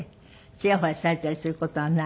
ちやほやされたりする事はない？